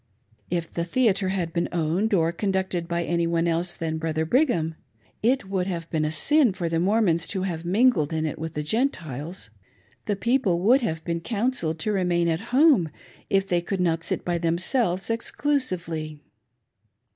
If the theatre had been owned or conducted by any one else than Brother Brigham, it would have been a sin for the Mormons to have mingled in it with the Gentiles. The people Tjfovild have been " counselled " to remain at home, if they eould not sit by themselves exclusively.